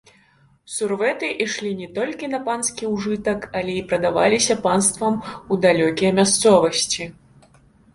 Сурвэты ішлі не толькі на панскі ўжытак, але і прадаваліся панствам у далёкія мясцовасці.